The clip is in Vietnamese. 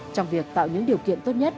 trong việc tạo những điều kiện tốt nhất